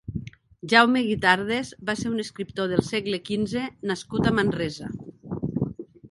Jaume Guitardes va ser un escriptor del segle quinze nascut a Manresa.